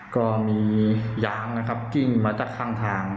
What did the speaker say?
ก็มียางนะครับกิ้งมาจากข้างทาง